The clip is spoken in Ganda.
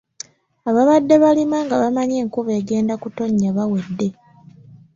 Ababadde balima nga bamanyi nti enkuba egenda kutonnya bawedde.